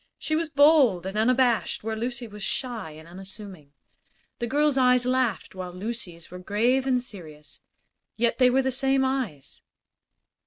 She was bold and unabashed where Lucy was shy and unassuming. This girl's eyes laughed, while Lucy's were grave and serious; yet they were the same eyes.